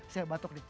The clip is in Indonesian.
saya batuk nih